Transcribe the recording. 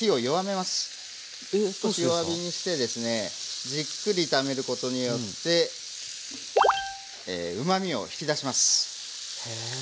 弱火にしてですねじっくり炒めることによってうまみを引き出します。